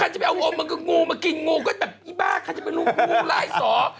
ถ้าค่ะจะมาเอาอมงูมากินงูก็จะแบบอีบ้ากค่ะจะเป็นงูลายสณ์